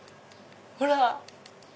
ほら！